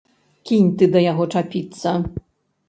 Кінь ты да яго чапіцца!